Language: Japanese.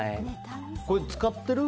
これ使ってる？